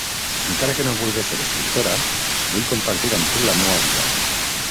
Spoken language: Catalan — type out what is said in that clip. Encara que no vulgues ser escriptora, vull compartir amb tu la meua vida.